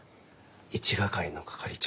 一係の係長。